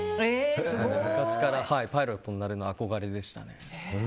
昔からパイロットになるのは憧れでしたね。